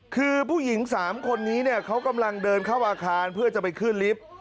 คือผู้หญิง๓คนนี้เนี่ยเขากำลังเดินเข้าอาคารเพื่อจะไปขึ้นลิฟต์